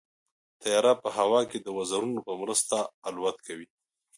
طیاره په هوا کې د وزرونو په مرسته الوت کوي.